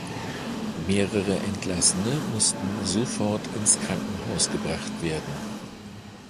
Mehrere Entlassene mussten sofort ins Krankenhaus gebracht werden.